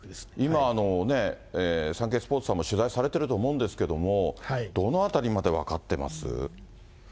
今ね、サンケイスポーツさんも取材されていると思うんですけれども、どのあたりまで分かってます？